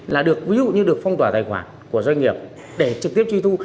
là được ví dụ như được phong tỏa tài khoản của doanh nghiệp để trực tiếp truy thu